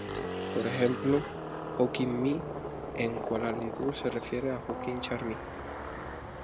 Por ejemplo, "hokkien mee" en Kuala Lumpur se refiere a "hokkien char mee".